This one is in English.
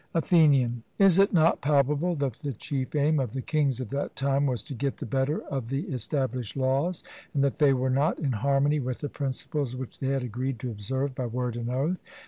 ATHENIAN: Is it not palpable that the chief aim of the kings of that time was to get the better of the established laws, and that they were not in harmony with the principles which they had agreed to observe by word and oath?